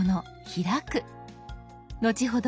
後ほど